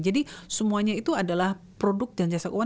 jadi semuanya itu adalah produk dan jasa keuangan